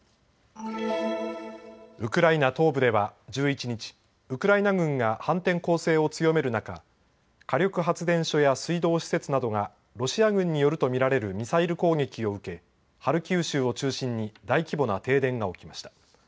ウクライナ東部では１１日、ウクライナ軍が反転攻勢を強める中、火力発電所や水道施設などがロシア軍によると見られるミサイル攻撃を受け、ハルキウ州を中心に大規模な停電が起きました。